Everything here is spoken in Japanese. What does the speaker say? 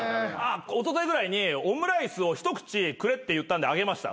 おとといぐらいにオムライスを一口くれって言ったんであげました。